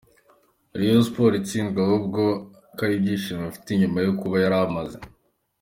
Rayon Sports itsinzwe ahubwo ko ari ibyishimo afite nyuma yo kuba yari amaze